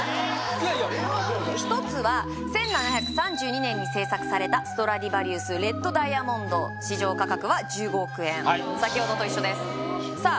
いやいや１つは１７３２年に製作されたストラディヴァリウスレッド・ダイヤモンド市場価格は１５億円先ほどと一緒ですさあ